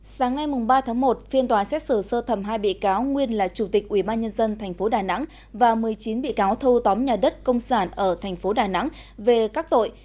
sáng nay ba tháng một phiên tòa xét xử sơ thẩm hai bị cáo nguyên là chủ tịch ubnd tp đà nẵng và một mươi chín bị cáo thâu tóm nhà đất công sản ở tp đà nẵng về các tội